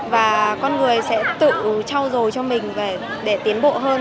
và con người sẽ tự trao dồi cho mình để tiến bộ hơn